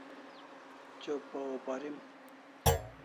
Chopa or parim